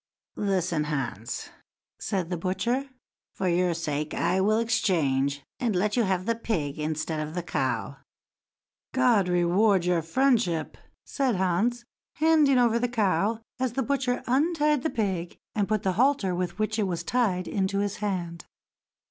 "Listen, Hans!" then said the butcher; "for your sake I will exchange, and let you have the pig instead of the cow." "God reward your friendship!" said Hans, handing over the cow, as the butcher untied the pig, and put the halter with which it was tied into his hand.